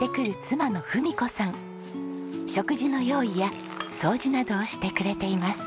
食事の用意や掃除などをしてくれています。